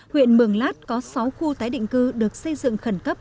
huyện mường lát có sáu khu tái định cư được xây dựng khẩn cấp